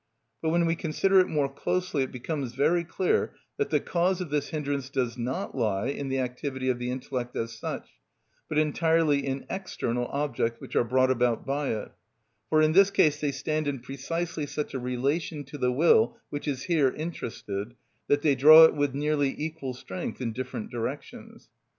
But when we consider it more closely, it becomes very clear that the cause of this hindrance does not lie in the activity of the intellect as such, but entirely in external objects which are brought about by it, for in this case they stand in precisely such a relation to the will, which is here interested, that they draw it with nearly equal strength in different directions.